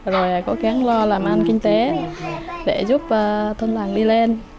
rồi cố gắng lo làm ăn kinh tế để giúp thân làng đi lên